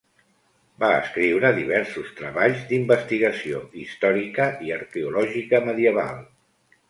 Va escriure diversos treballs d'investigació històrica i arqueològica medieval.